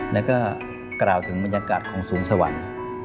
แล้วก็กล่าวถึงบรรยากาศของสวงสวรรค์